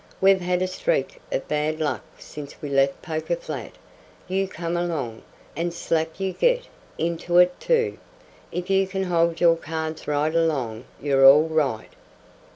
We've had a streak of bad luck since we left Poker Flat you come along, and slap you get into it, too. If you can hold your cards right along you're all right.